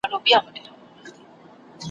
د رنګینو کلماتو تر اغېز لاندي راغلي وي ,